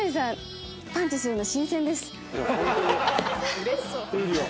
うれしそう。